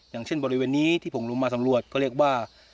อย่างเช่นบริเวณนี้ที่ผมลงมาสำรวจก็เรียกว่า